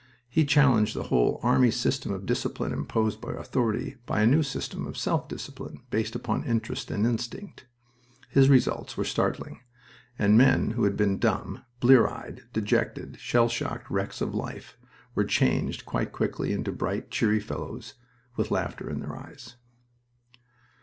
He challenged the whole army system of discipline imposed by authority by a new system of self discipline based upon interest and instinct. His results were startling, and men who had been dumb, blear eyed, dejected, shell shocked wrecks of life were changed quite quickly into bright, cheery fellows, with laughter in their eyes.